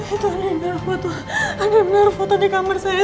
itu ada bener foto ada bener foto di kamar saya